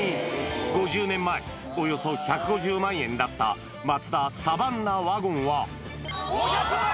５０年前、およそ１５０万円だったマツダ、サバンナワゴンは。